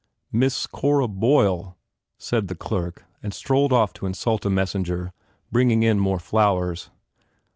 "Miss Cora Boyle," said the clerk and strolled off to insult a messenger bringing in more flowers.